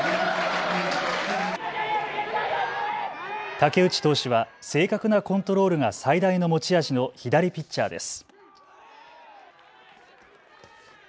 武内投手は正確なコントロールが最大の持ち味の左ピッチャーです。